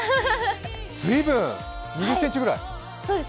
随分、２０ｃｍくらい？